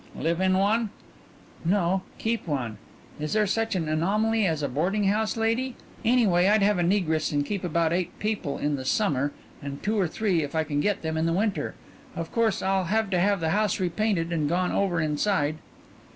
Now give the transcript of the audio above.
"Live in one?" "No. Keep one. Is there such an anomaly as a boarding house lady? Anyway I'd have a negress and keep about eight people in the summer and two or three, if I can get them, in the winter. Of course I'll have to have the house repainted and gone over inside."